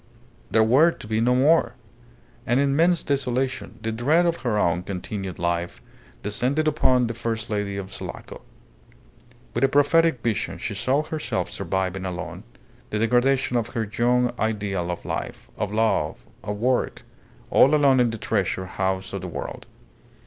There were to be no more. An immense desolation, the dread of her own continued life, descended upon the first lady of Sulaco. With a prophetic vision she saw herself surviving alone the degradation of her young ideal of life, of love, of work all alone in the Treasure House of the World.